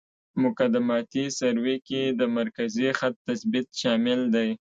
مقدماتي سروې کې د مرکزي خط تثبیت شامل دی